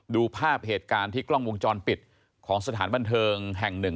ดูภาพเหตุการณ์ที่กล้องวงจรปิดของสถานบันเทิงแห่งหนึ่ง